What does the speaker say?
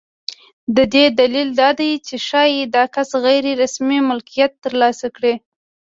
د دې دلیل دا دی چې ښایي دا کس غیر رسمي مالکیت ترلاسه کړي.